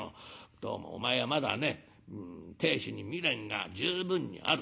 どうもお前はまだね亭主に未練が十分にある。